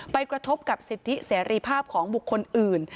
กระทบกับสิทธิเสรีภาพของบุคคลอื่น